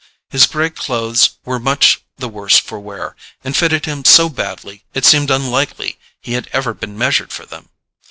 His grey clothes were much the worse for wear and fitted him so badly it seemed unlikely he had ever been measured for them.